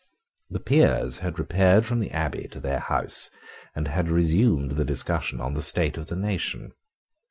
The Peers had repaired from the Abbey to their house, and had resumed the discussion on the state of the nation.